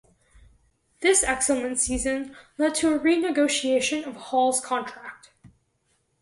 This excellent season led to a renegotiation of Hall's contract.